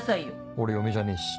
俺嫁じゃねえし。